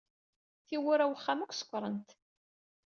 Tiwwura n wexxam akk ṣukkrent.